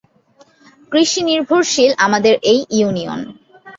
কৃষি নির্ভরশীল আমাদের এই ইউনিয়ন।